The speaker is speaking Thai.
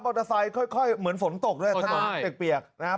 เตอร์ไซค์ค่อยเหมือนฝนตกด้วยถนนเปียกนะครับ